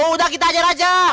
udah kita ajar ajar